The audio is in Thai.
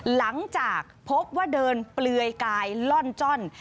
หลังจากพบว่าเดินเปลือยกายล่อนจ้อน